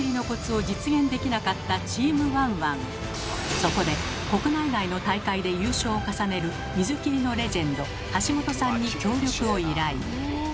科学的なそこで国内外の大会で優勝を重ねる水切りのレジェンド橋本さんに協力を依頼。